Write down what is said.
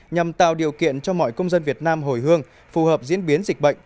nhằm tạo điều kiện cho mọi công dân việt nam hồi hương phù hợp diễn biến dịch bệnh